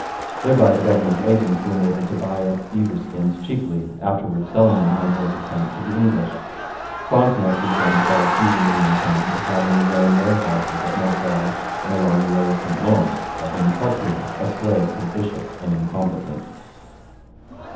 Thereby the governor's agents were enabled to buy up beaver skins cheaply, afterwards selling them on his account to the English. Frontenac rejoined by accusing the intendant of having his own warehouses at Montreal and along the lower St Lawrence, of being truculent, a slave to the bishop, and incompetent.